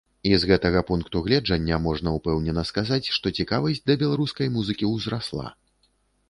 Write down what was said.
І з гэтага пункту гледжання можна ўпэўнена сказаць, што цікавасць да беларускай музыкі ўзрасла.